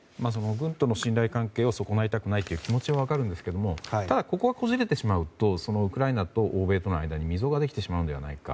軍との信頼関係を損ないたくないという気持ちは分かりますがただ、ここがこじれるとウクライナと欧米との間に溝ができてしまうのではないか。